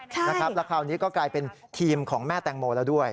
แล้วคราวนี้ก็กลายเป็นทีมของแม่แตงโมแล้วด้วย